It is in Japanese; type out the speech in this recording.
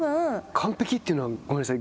完璧というのはごめんなさい